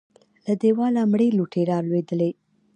له دېواله مړې لوټې راولوېدې.